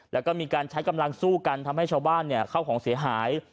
แล้วก็มีการใช้กำลังสู้กันทำให้ชาวบ้านเข้าของเสียหาย